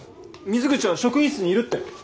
水口は職員室にいるって。